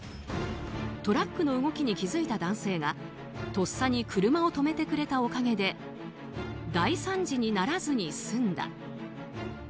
トラックの動きに気付いた男性がとっさに車を止めてくれたおかげで大惨事にならずに済んだ。